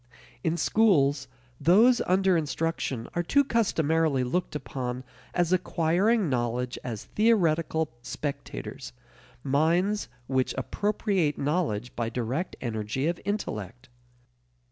In schools, those under instruction are too customarily looked upon as acquiring knowledge as theoretical spectators, minds which appropriate knowledge by direct energy of intellect.